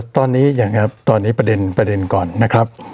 ตอนนี้ยังครับตอนนี้ประเด็นก่อนนะครับ